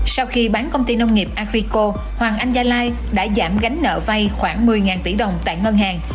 sau khi bán công ty nông nghiệp agrico hoàng anh gia lai đã giảm gánh nợ vay khoảng một mươi tỷ đồng tại ngân hàng